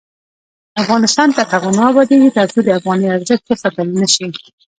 افغانستان تر هغو نه ابادیږي، ترڅو د افغانۍ ارزښت وساتل نشي.